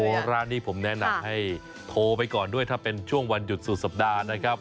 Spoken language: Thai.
ร้านนี้ผมแนะนำให้โทรไปก่อนด้วยถ้าเป็นช่วงวันหยุดสุดสัปดาห์นะครับ